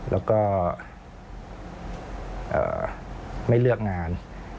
แล้วก็ไม่เลือกงาน